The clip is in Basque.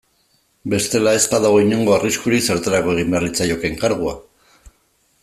Bestela, ez badago inongo arriskurik zertarako egin beharko litzaioke enkargua.